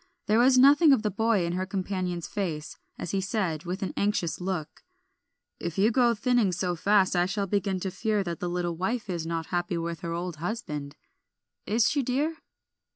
There was nothing of the boy in her companion's face, as he said, with an anxious look "If you go on thinning so fast I shall begin to fear that the little wife is not happy with her old husband. Is she, dear?"